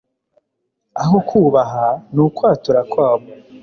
Aho kubaha ni ukwatura kwabo